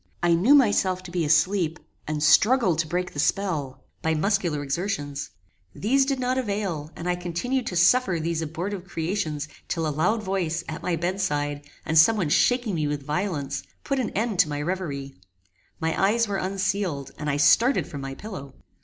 I knew myself to be asleep, and struggled to break the spell, by muscular exertions. These did not avail, and I continued to suffer these abortive creations till a loud voice, at my bed side, and some one shaking me with violence, put an end to my reverie. My eyes were unsealed, and I started from my pillow.